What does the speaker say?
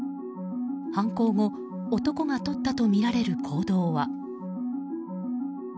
犯行後、男がとったとみられる行動は。